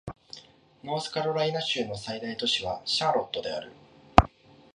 ノースカロライナ州の最大都市はシャーロットである